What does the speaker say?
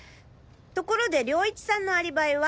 ところで涼一さんのアリバイは？